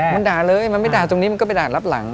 มันด่าเลยมันไม่ด่าตรงนี้มันก็ไปด่ารับหลัง